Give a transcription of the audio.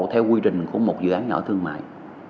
theo quy trình của một dự án nhà ở thương mại